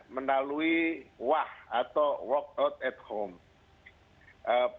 melalui wah atau walk out at home